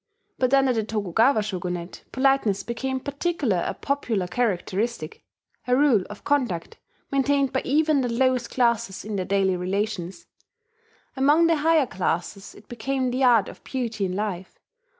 But under the Tokugawa Shogunate politeness became particularly a popular characteristic, a rule of conduct maintained by even the lowest classes in their daily relations. Among the higher classes it became the art of beauty in life.